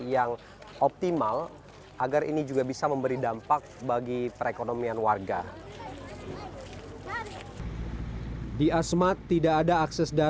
yang optimal agar ini juga bisa memberi dampak bagi perekonomian warga di asmat tidak ada akses